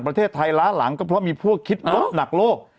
ประเทศไทยล้าหลังก็เพราะมีพวกคิดลบหนักโลก